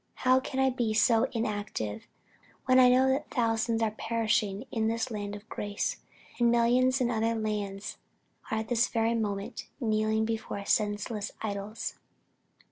How can I be so inactive, when I know that thousands are perishing in this land of grace; and millions in other lands are at this very moment kneeling before senseless idols!"